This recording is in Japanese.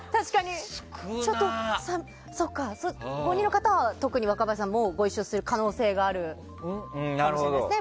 ５人の方は、特に若林さんとご一緒する可能性があるんですね。